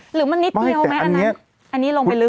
หรือมันนิดเดียวไหมอันนั้นอันนี้ลงไปลึก